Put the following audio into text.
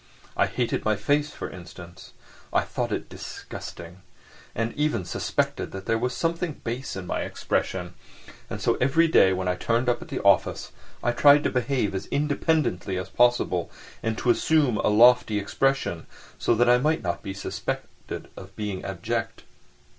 I hated my face, for instance: I thought it disgusting, and even suspected that there was something base in my expression, and so every day when I turned up at the office I tried to behave as independently as possible, and to assume a lofty expression, so that I might not be suspected of being abject.